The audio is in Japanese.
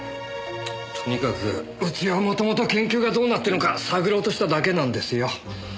とにかくうちはもともと研究がどうなっているのか探ろうとしただけなんですよ。